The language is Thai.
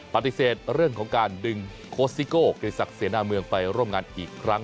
ปฏิเสธเรื่องของการดึงโค้ชซิโก้เกรษักเสนาเมืองไปร่วมงานอีกครั้ง